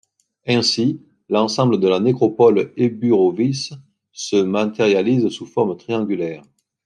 Ainsi, l'ensemble de la nécropole éburovice se matérialise sous forme triangulaire.